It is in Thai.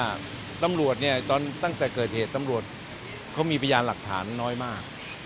คือต้องเข้าใจนะว่าตั้งแต่เกิดเหตุตำรวจเค้ามีพยานหลักฐานน้อยมาก